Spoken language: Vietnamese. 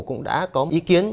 cũng đã có ý kiến